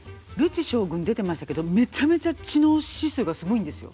将軍出てましたけどメッチャメチャ知能指数がすごいんですよ。